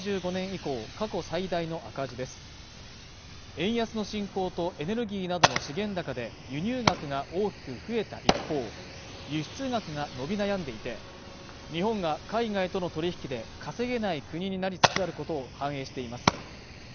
円安の進行とエネルギーなどの資源高で輸入額が大きく増えた一方輸出額が伸び悩んでいて日本が海外との取引で稼げない国になりつつあることを反映しています。